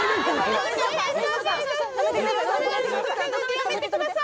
やめてください！